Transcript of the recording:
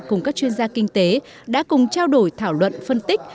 cùng các chuyên gia kinh tế đã cùng trao đổi thảo luận phân tích